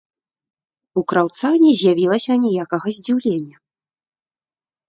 У краўца не з'явілася аніякага здзіўлення.